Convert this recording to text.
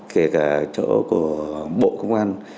kể cả chỗ của bộ công an